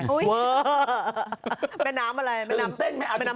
ตื่นเต้นแม่เอาทีคิด